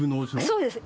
そうです。